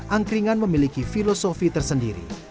angkringan memiliki filosofi tersendiri